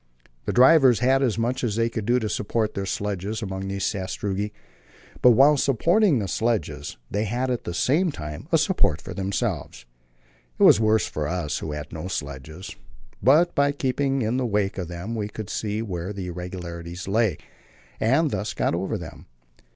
The drivers had as much as they could do to support their sledges among these sastrugi, but while supporting the sledges, they had at the same time a support for themselves. It was worse for us who had no sledges, but by keeping in the wake of them we could see where the irregularities lay, and thus get over them.